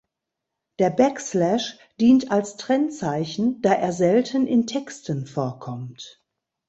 Der Backslash dient als Trennzeichen, da er selten in Texten vorkommt.